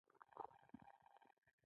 د ټولنې درناوی د انسان ارزښت ټاکه.